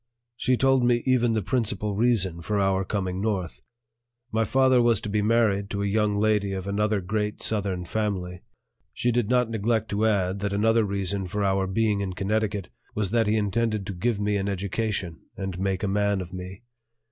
She told me even the principal reason for our coming north. My father was about to be married to a young lady of another great Southern family; She did not neglect to add that another reason for our being in Connecticut was that he intended to give me an education and make a man of me.